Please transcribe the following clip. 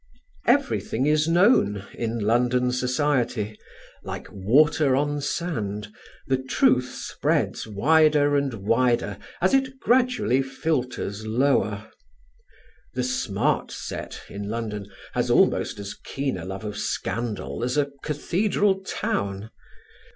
Everything is known in London society; like water on sand the truth spreads wider and wider as it gradually filters lower. The "smart set" in London has almost as keen a love of scandal as a cathedral town.